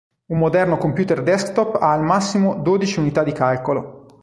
Un moderno computer desktop ha al massimo dodici unità di calcolo.